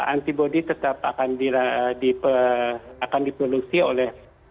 antibody tetap akan diproduksi oleh